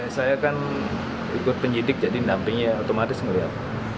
saya kan ikut penyidik jadi napinya otomatis melihat